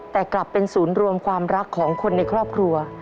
แต่กลับเป็นศูนย์รวมความรักของคนในครอบครัว